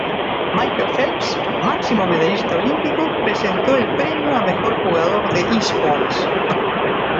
Michael Phelps, máximo medallista olímpico, presentó el premio a mejor jugador de eSports.